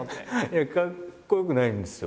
いやかっこよくないんですよ。